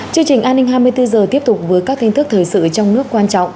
chương trình an ninh hai mươi bốn h tiếp tục với các tin tức thời sự trong nước quan trọng